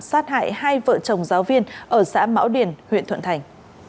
sát hại hai vợ chồng giáo viên ở xã mão điền huyện thuận thành